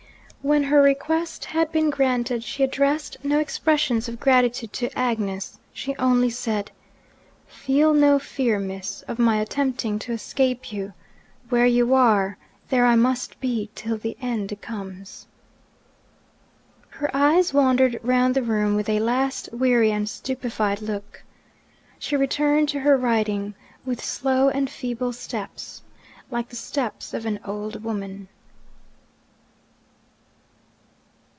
When her request had been granted, she addressed no expressions of gratitude to Agnes; she only said, 'Feel no fear, miss, of my attempting to escape you. Where you are, there I must be till the end comes.' Her eyes wandered round the room with a last weary and stupefied look. She returned to her writing with slow and feeble steps, like the steps of an old woman.